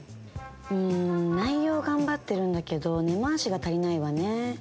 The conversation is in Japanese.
「うん内容頑張ってるんだけど根回しが足りないわね」。